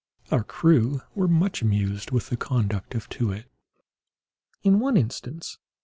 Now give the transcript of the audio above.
Our crew were much amused with the conduct of Too wit in one instance.